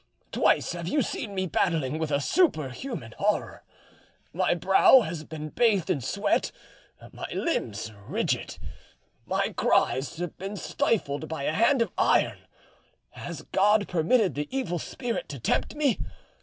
Twice have you seen me battling with a superhuman horror. My brow has been bathed in sweat, my limbs rigid, my cries have been stifled by a hand of iron. Has God permitted the Evil Spirit to tempt me?